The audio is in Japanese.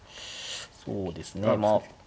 そうですねまあ。